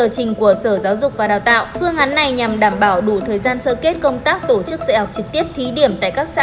xin chào và hẹn gặp lại